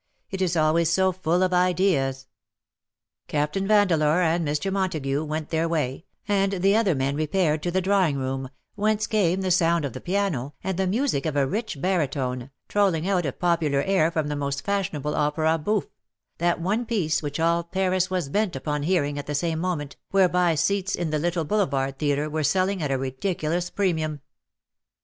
It is always so full of ideas/^ Captain Vandeleur and Mr. Montagu went their way^ and the other men repaired to the drawing room, whence came the sound of the piano, and the music of a rich baritone, trolling out a popular air from the most fashionable opera bouffe — that one piece which all Paris was bent upon hearing at the same moment^ whereby seats in the little boulevard theatre were selling at a ridiculous premium.